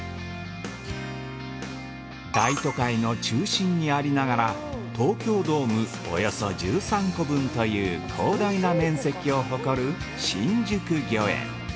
◆大都会の中心にありながら、東京ドームおよそ１３個分という広大な面積を誇る新宿御苑。